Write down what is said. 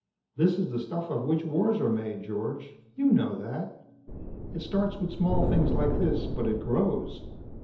This is the stuff of which wars are made, George. You know that. It starts with small things like this, but it grows.